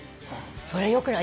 それよくない。